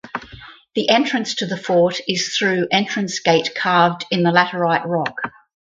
The entrance to the fort is through entrance gate carved in the laterite rock.